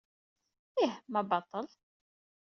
Ih, ma baṭel.